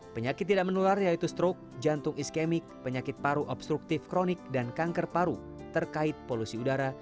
penyakit tidak menular yaitu stroke jantung iskemik penyakit paru obstruktif kronik dan kanker paru terkait polusi udara